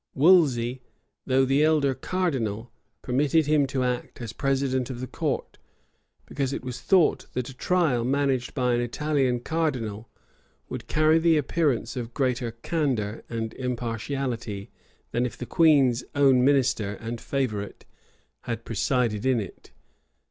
Wolsey, though the elder cardinal, permitted him to act as president of the court; because it was thought, that a trial managed by an Italian cardinal would carry the appearance of greater candor and impartiality, than if the king's own minister and favorite had presided in it.